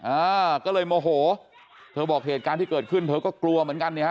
อ่าก็เลยโมโหเธอบอกเหตุการณ์ที่เกิดขึ้นเธอก็กลัวเหมือนกันเนี่ยฮ